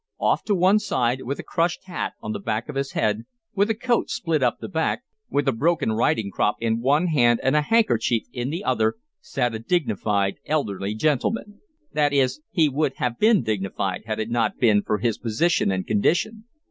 Off to one side, with a crushed hat on the back of his head, with a coat split up the back, with a broken riding crop in one hand and a handkerchief in the other, sat a dignified, elderly gentleman. That is, he would have been dignified had it not been for his position and condition.